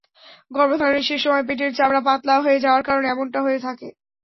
গর্ভধারণের শেষ সময়ে পেটের চামড়া পাতলা হয়ে যাওয়ার কারণে এমনটা হয়ে থাকে।